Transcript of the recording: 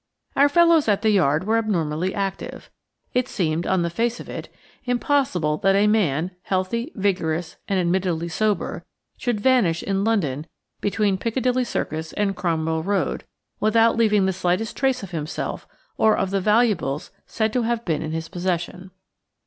Our fellows at the Yard were abnormally active. It seemed, on the face of it, impossible that a man, healthy, vigorous, and admittedly sober, should vanish in London between Piccadilly Circus and Cromwell Road without leaving the slightest trace of himself or of the valuables said to have been in his possession.